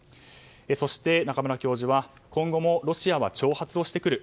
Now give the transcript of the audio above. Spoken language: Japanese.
そして、中村教授は今後もロシアは挑発をしてくる。